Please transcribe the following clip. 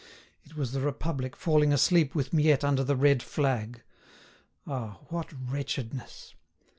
It was the Republic falling asleep with Miette under the red flag. Ah, what wretchedness!